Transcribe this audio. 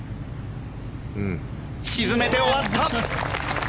沈めて終わった！